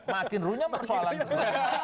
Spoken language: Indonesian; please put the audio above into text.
makin runyam persoalan itu